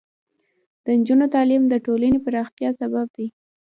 د نجونو تعلیم د ټولنې پراختیا سبب دی.